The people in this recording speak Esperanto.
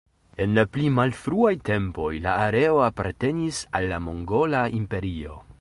En la pli malfruaj tempoj la areo apartenis al la Mogola Imperio.